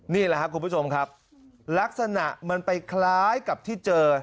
นี่แหละครับคุณผู้ชมครับลักษณะมันไปคล้ายกับที่เจอ